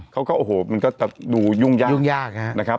เขาก็โอ้โหมันก็ดูยุ่งยากนะครับ